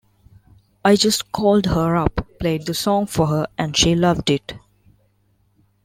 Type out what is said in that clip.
I just called her up, played the song for her, and she loved it.